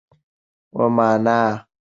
مانا